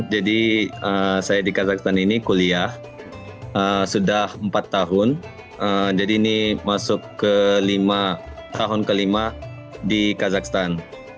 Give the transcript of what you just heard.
jadi saya di kazahstan ini kuliah sudah empat tahun jadi ini masuk ke lima tahun ke lima di kazahstan